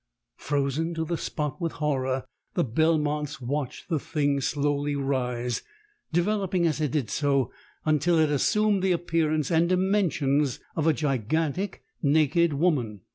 "Frozen to the spot with horror, the Belmonts watched the thing slowly rise, developing as it did so until it assumed the appearance and dimensions of a gigantic naked woman.